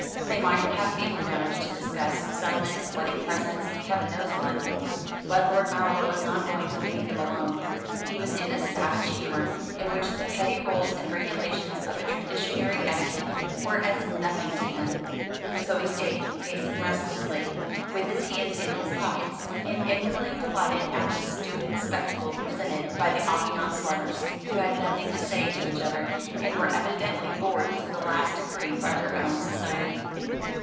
They might have family matters to discuss, settlements, wedding presents, Heaven knows what. But Lord Mallow was not going to leave them alone. He was in a savage humour, in which the petty rules and regulations of a traditionary etiquette were as nothing to him. So he stayed, pacing restlessly, with his hands in his pockets, and inwardly delighted at the stupid spectacle presented by the affianced lovers, who had nothing to say to each other, and were evidently bored to the last degree by their own society.